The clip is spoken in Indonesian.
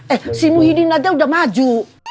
eh si muhyiddin aja udah maju